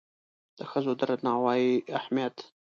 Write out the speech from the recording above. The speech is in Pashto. د ښځو د درناوي اهمیت